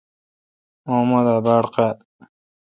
اوہ دا مہ باڑ قاد۔